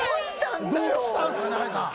どうしたんですか中居さん！